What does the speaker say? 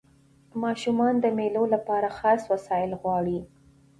ماشومان د مېلو له پاره خاص وسایل غواړي.